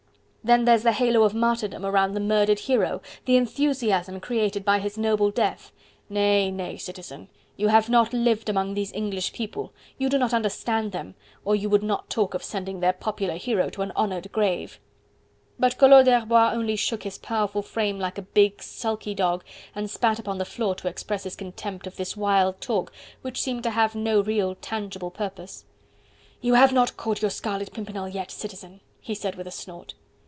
Then there's the halo of martyrdom around the murdered hero, the enthusiasm created by his noble death... Nay! nay, Citizen, you have not lived among these English people, you do not understand them, or you would not talk of sending their popular hero to an honoured grave." But Collot d'Herbois only shook his powerful frame like some big, sulky dog, and spat upon the floor to express his contempt of this wild talk which seemed to have no real tangible purpose. "You have not caught your Scarlet Pimpernel yet, Citizen," he said with a snort.